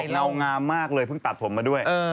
เงางามมากเลยเพิ่งตัดผมมาด้วย